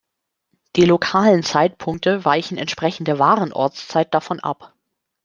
Die lokalen Zeitpunkte weichen entsprechend der wahren Ortszeit davon ab.